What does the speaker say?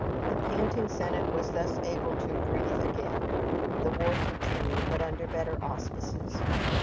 The panting Senate was thus able to breathe again. The war continued, but under better auspices.